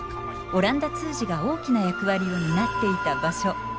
オランダ通詞が大きな役割を担っていた場所